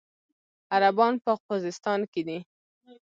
عربان په خوزستان کې دي.